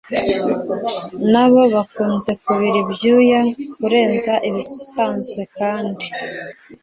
na bo bakunze kubira ibyuya kurenza ibisanzwe kandi